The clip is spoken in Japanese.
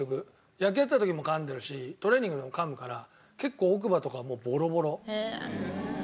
野球やってた時もかんでるしトレーニングでもかむから結構奥歯とかもうボロボロになっちゃって。